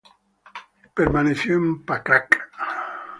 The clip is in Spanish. Permaneció en Pakrac.